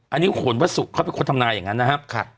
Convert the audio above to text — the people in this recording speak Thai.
อันนี้ขนวัสสุเขาเป็นคนทำนายอย่างนั้นนะครับ